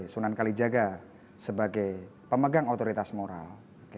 sunan kalijaga sebagai pemegang otoritas moral